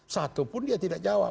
satupun dia tidak jawab